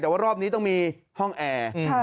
แต่ว่ารอบนี้ต้องมีห้องแอร์